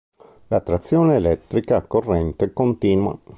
La trazione è elettrica a a corrente continua.